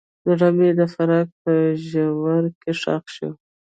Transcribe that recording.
زړه مې د فراق په ژوره کې ښخ شو.